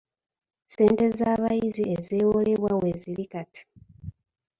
Ssente z'abayizi ezeewolebwa weeziri kati.